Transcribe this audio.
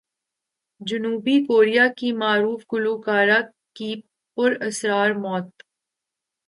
جنوبی کوریا کی معروف گلوکارہ کی پر اسرار موت